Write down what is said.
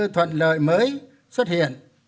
thuận lợi mới xuất hiện